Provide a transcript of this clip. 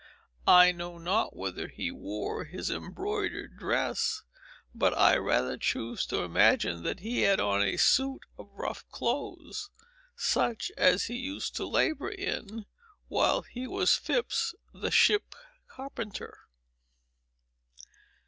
I know not whether he wore his embroidered dress, but I rather choose to imagine that he had on a suit of rough clothes, such as he used to labor in, while he was Phips the ship carpenter."